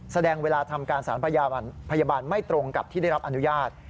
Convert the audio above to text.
แสดงเวลาทำการสารพยาบาลไม่ตรงกับที่ได้รับอนุญาต